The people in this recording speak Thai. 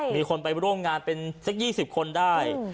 มีคนไปร่วมงานเป็นสัก๒๐คนได้